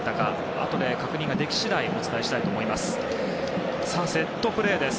あとで確認ができ次第お伝えしたいと思います。